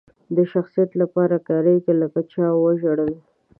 د شخص لپاره کاریږي لکه چا وژړل.